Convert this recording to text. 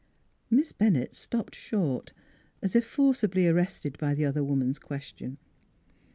" Miss Bennett stopped short, as if forcibly ar rested by the other woman's question.